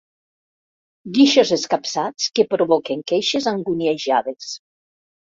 Guixos escapçats que provoquen queixes anguniejades.